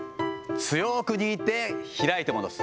強く握って、開いて戻す。